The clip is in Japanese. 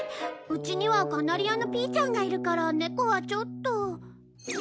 うちにはカナリアのピーちゃんがいるから猫はちょっと。